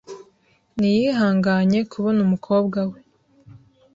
Ntiyihanganye kubona umukobwa we .